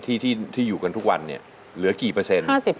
ที่อยู่กันทุกวันเนี่ยเหลือกี่เปอร์เซ็นต์